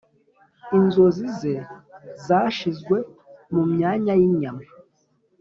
inzozi ze zashizwe mumyanya yinyama.